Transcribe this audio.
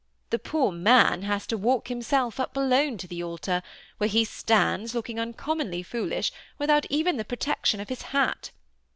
The poor man has to walk himself up alone to the altar, where he stands, looking uncommonly foolish, without even the protection of his hat.